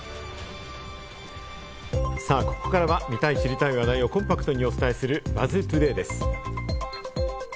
さぁ、ここからは見たい知りたい話題をコンパクトにお伝えする、ＢＵＺＺトゥデイです。